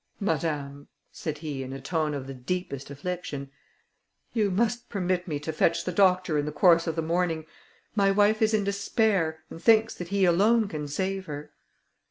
"Madame," said he in a tone of the deepest affliction, "you must permit me to fetch the doctor in the course of the morning; my wife is in despair, and thinks that he alone can save her."